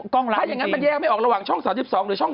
ถ้าอย่างนั้นมันแยกไม่ออกระหว่างช่อง๓๒หรือช่อง๓